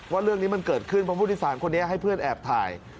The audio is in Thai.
ว่าเรื่องนี้มันเกิดขึ้นเพราะผู้โดยสารคนนี้ให้เพื่อนแอบถ่าย